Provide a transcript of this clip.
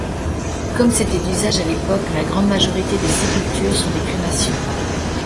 Comme c'était d'usage à l'époque, la grande majorité des sépultures sont des crémations.